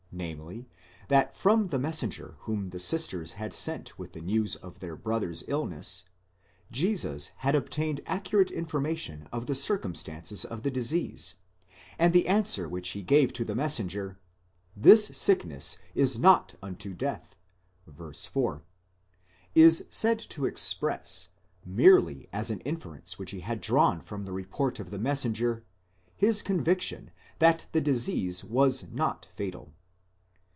® namely, that from the messenger whom the sisters had sent with the news of their brother's illness, Jesus had obtained accurate information of the circumstances of the disease ; and the answer which he gave to the messenger, Zhis sickness ts not unto death (v. 4), is said to express, merely as an inference which he had drawn from the report of the messenger, his conviction that the disease was not fatal.